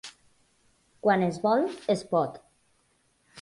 Quan es vol, es pot.